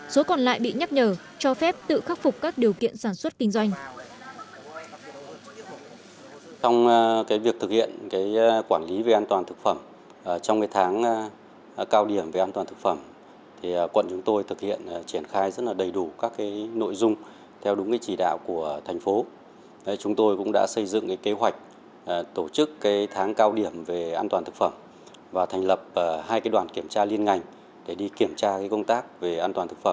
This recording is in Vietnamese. số còn lại bị nhắc nhở cho phép tự khắc phục các điều kiện sản xuất kinh doanh